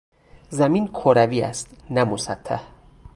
زمین کروی است نه مسطح.